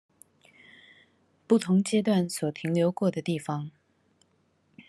不同階段所停留過的地方